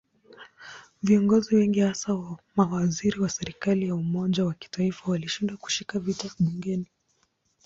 Viongozi wengi hasa mawaziri wa serikali ya umoja wa kitaifa walishindwa kushika viti bungeni.